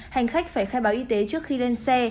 hành khách phải khai báo y tế trước khi lên xe